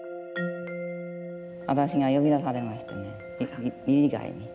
私が呼び出されましてね理事会に。